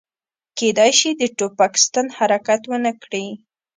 کیدای شي د ټوپک ستن حرکت ونه کړي